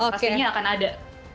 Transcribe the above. pastinya akan ada